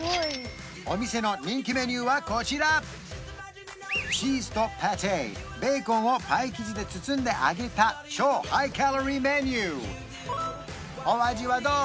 お店の人気メニューはこちらチーズとパテベーコンをパイ生地で包んで揚げた超ハイカロリーメニューお味はどう？